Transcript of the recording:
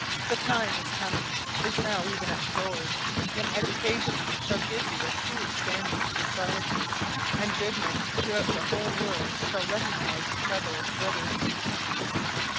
The time is coming is now even at the doors when education shall give you a truer standing in society, and good men throughout the whole world shall recognise each other as brothers.